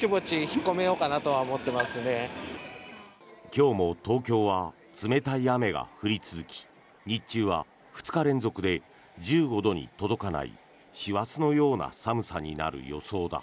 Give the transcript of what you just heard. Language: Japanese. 今日も東京は冷たい雨が降り続き日中は２日連続で１５度に届かない師走のような寒さになる予想だ。